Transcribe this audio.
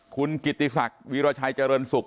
คุณกิติศักดิ์วีรชัยเจริญสุข